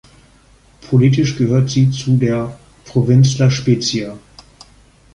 Politisch gehört sie zu der Provinz La Spezia.